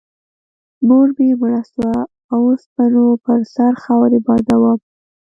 مور مې مړه سوه اوس به نو پر سر خاورې بادوم.